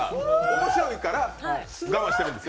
面白いから我慢してるんですよ。